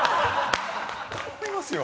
頼みますよ。